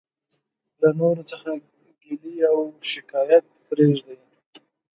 له نورو څخه ګيلي او او شکايت پريږدٸ.